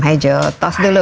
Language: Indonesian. hai joe tas dulu